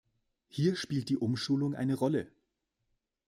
Hier spielt die Umschulung eine Rolle.